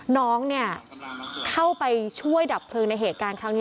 น้องเนี่ยเข้าไปช่วยดับเครื่องในเหตุการณ์ครั้งนี้